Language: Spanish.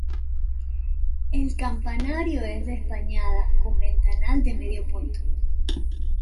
El campanario es de espadaña con ventanal de medio punto.